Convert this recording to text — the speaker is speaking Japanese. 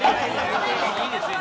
いいですよ。